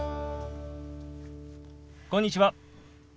こんにちは。